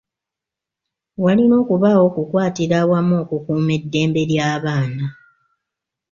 Walina okubaawo okukwatira awamu okukuuma eddembe ly'abaana